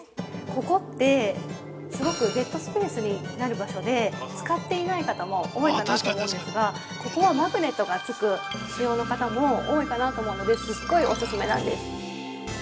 ここって、すごくデッドスペースになる場所で使っていない方も多いかなと思うんですが、ここはマグネットが付く仕様の方も多いかなと思うので、すごいオススメなんです。